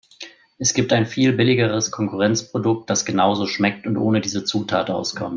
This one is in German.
Es gibt ein viel billigeres Konkurrenzprodukt, das genauso schmeckt und ohne diese Zutat auskommt.